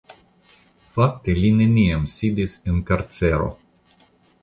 Fakte li neniam sidis en karcero.